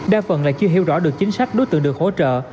đa phần là chưa hiểu rõ được chính sách đối tượng được hỗ trợ